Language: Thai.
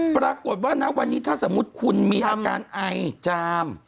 ปรากฏว่าณวันนี้ถ้าสมมุติคุณมีอาการไอจาม